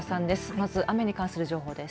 まず雨に関する情報です。